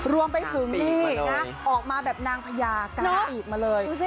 รวมไปถึงนี่นะออกมาแบบนางพญากลางปีกมาเลย